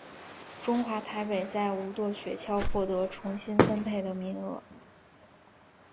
中华台北在无舵雪橇获得重新分配的名额。